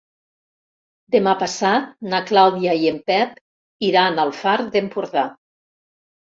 Demà passat na Clàudia i en Pep iran al Far d'Empordà.